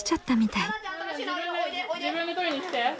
自分で取りに来て。